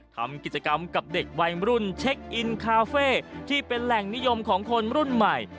ทำกิจกรรมกับเด็กวัยรุ่นเช็คอินคาเฟ่ที่เป็นแหล่งนิยมของคนรุ่นใหม่